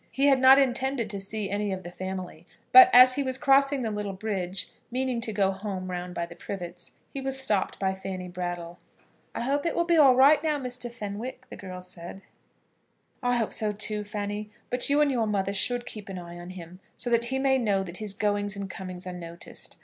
He had not intended to see any of the family, but, as he was crossing the little bridge, meaning to go home round by the Privets, he was stopped by Fanny Brattle. "I hope it will be all right now, Mr. Fenwick," the girl said. [Illustration: "I hope it will be all right now, Mr. Fenwick," the girl said.] "I hope so too, Fanny. But you and your mother should keep an eye on him, so that he may know that his goings and comings are noticed.